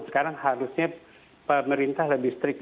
sekarang harusnya pemerintah lebih strict